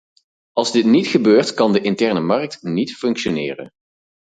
Als dit niet gebeurt, kan de interne markt niet functioneren.